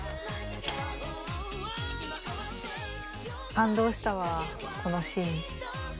感動したわこのシーン。